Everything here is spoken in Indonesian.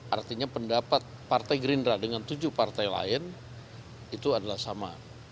artinya pendapat partai gerindra dengan tujuh partai lain itu adalah sama